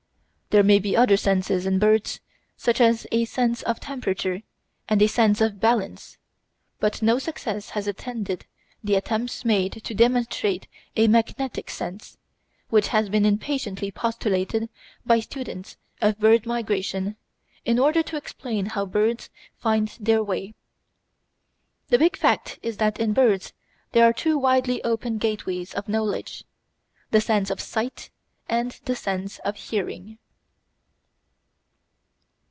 There may be other senses in birds, such as a sense of temperature and a sense of balance; but no success has attended the attempts made to demonstrate a magnetic sense, which has been impatiently postulated by students of bird migration in order to "explain" how the birds find their way. The big fact is that in birds there are two widely open gateways of knowledge, the sense of sight and the sense of hearing.